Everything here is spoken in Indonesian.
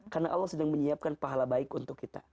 karena allah sedang menyiapkan pahala baik untuk kita